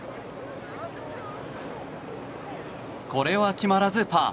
これは決まらず、パー。